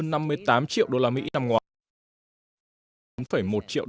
tăng hơn năm mươi tám triệu đô la mỹ năm ngoái